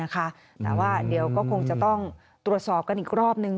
แต่ว่าเดี๋ยวก็คงจะต้องตรวจสอบกันอีกรอบนึง